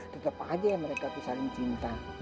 tetap aja mereka tuh saling cinta